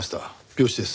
病死です。